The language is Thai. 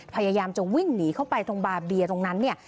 พยายามจะวิ่งหนีเข้าไปตรงบาร์เบียร์ตรงนั้นเนี่ย